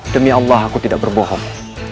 demi allah aku tidak berbohong